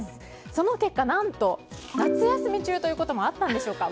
その結果、何と夏休み中ということもあったのでしょうか